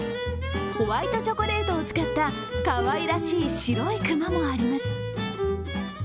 ホワイトチョコレートを使ったかわいらしい白い熊もあります。